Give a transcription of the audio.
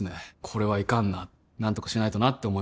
これはいかんな何とかしないとなって思いますよね